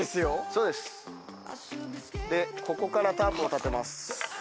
そうですでここからタープをたてます